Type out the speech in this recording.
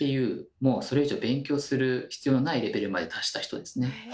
もうそれ以上勉強する必要のないレベルまで達した人ですね。